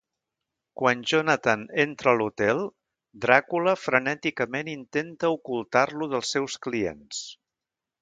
Quan Jonathan entra a l'hotel, Dràcula frenèticament intenta ocultar-lo dels seus clients.